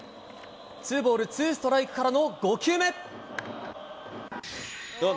ツーボールツーストライクからの５球目。